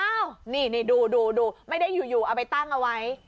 อ้าวนี่ดูไม่ได้อยู่เอาไปตั้งเอาไว้